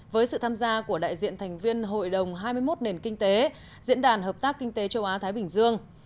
với sự tham gia của đại diện thành viên hội đồng hai mươi một nền kinh tế diễn đàn hợp tác kinh tế châu á thái bình dương